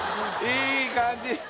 いい感じ